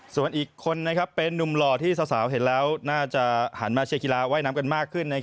ส่วนอีกคนเป็นนุ่มหล่อที่สาวเห็นแล้วน่าจะหันมาเชียร์กีฬาว่ายน้ำกันมากขึ้น